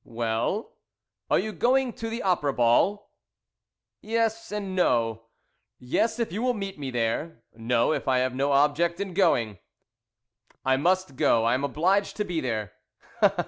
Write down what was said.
"Well?" "Are you going to the Opera Ball?" "Yes and No. Yes, if you will meet me there. No, if I have no object in going." "I must go, I am obliged to be there."